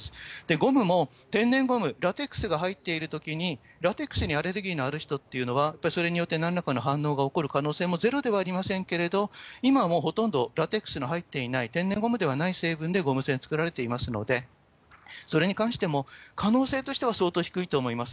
ゴムも天然ゴム、ラテックスが入っているときに、ラテックスにアレルギーのある人っていうのは、それによって何らかの反応が起こる可能性もゼロではありませんけれども、今もうほとんど、ラテックスの入っていない、天然ゴムではない成分でゴム栓作られていますので、それに関しても可能性としては相当低いと思います。